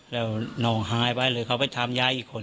แล้วฆ่าเนื่องไห้เลยเขาไปทำย้ายอีกคน